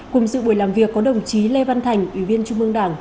cùng dự buổi làm việc có đồng chí lê văn thành ủy viên trung mương đảng